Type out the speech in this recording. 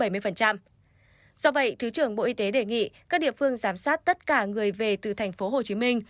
do vậy thứ trưởng bộ y tế đề nghị các địa phương giám sát tất cả người về từ thành phố hồ chí minh